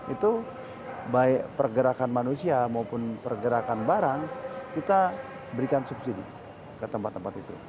itu baik pergerakan manusia maupun pergerakan barang kita berikan subsidi ke tempat tempat itu